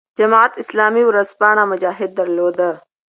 جمعیت اسلامي ورځپاڼه "مجاهد" درلوده.